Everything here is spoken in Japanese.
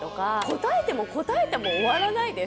答えても答えても終わらないです。